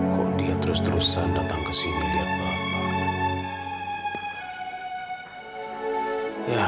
kok dia terus terusan datang kesini lihat bapak